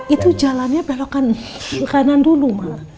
itu jalannya belok kanan dulu mak